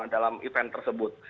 dalam event tersebut